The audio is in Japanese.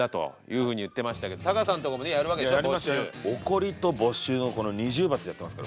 怒りと没収のこの二重罰でやってますから。